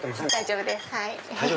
大丈夫ですか。